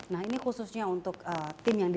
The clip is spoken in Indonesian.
nah ini khususnya untuk tim yang di